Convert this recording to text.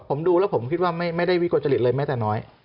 ผมดูแล้วผมคิดว่าไม่ได้วิกลจริตเลยแม้แต่น้อย